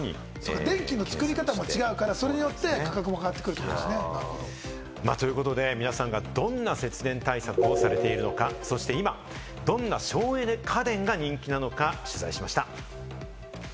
電気の作り方も違うから価格も変わってくると。というわけで皆さんがどんな節電対策をしているのか、そして今どんな省エネ家電が人気なのか取材しました。